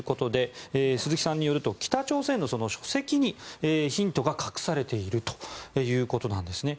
鈴木さんによると北朝鮮の書籍にヒントが隠されているということなんですね。